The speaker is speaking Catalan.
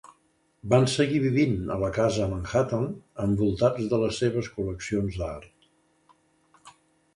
Van seguir vivint a la casa Manhattan envoltats de les seves col·leccions d'art.